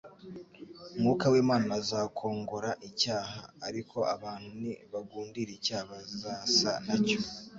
Mwuka w'Imana azakongora icyaha. Ariko abantu ni bagundira icyaha bazasa nacyo.